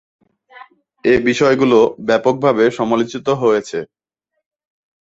এ বিষয়গুলো ব্যাপকভাবে সমালোচিত হয়েছে।